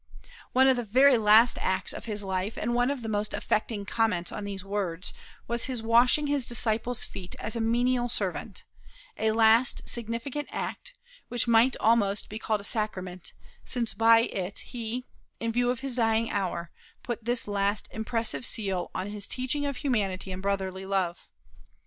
One of the very last acts of his life, and one of the most affecting comments on these words, was his washing his disciples' feet as a menial servant a last significant act, which might almost be called a sacrament, since by it he, in view of his dying hour, put this last impressive seal on his teaching of humanity and brotherly love.